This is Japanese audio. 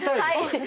はい！